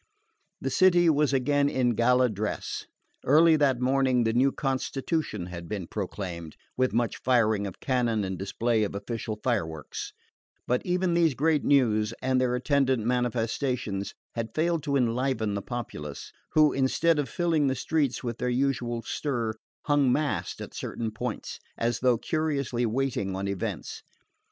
The city was again in gala dress. Early that morning the new constitution had been proclaimed, with much firing of cannon and display of official fireworks; but even these great news, and their attendant manifestations, had failed to enliven the populace, who, instead of filling the streets with their usual stir, hung massed at certain points, as though curiously waiting on events.